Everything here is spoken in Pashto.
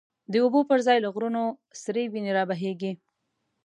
د اوبو پر ځای له غرونو، سری وینی را بهیږی